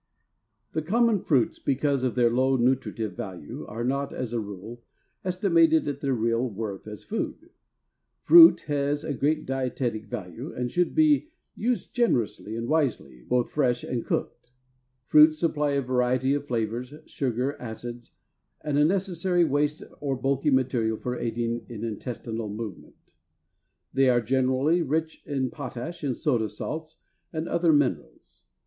The common fruits, because of their low nutritive value, are not, as a rule, estimated at their real worth as food. Fruit has great dietetic value and should be used generously and wisely, both fresh and cooked. Fruits supply a variety of flavors, sugar, acids, and a necessary waste or bulky material for aiding in intestinal movement. They are generally rich in potash and soda salts and other minerals.